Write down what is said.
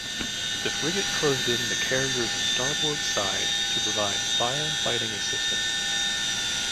The frigate closed in the carrier's starboard side to provide fire-fighting assistance.